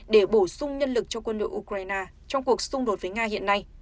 để bổ sung nhân lực cho quân đội ukraine trong cuộc xung đột với nga hiện nay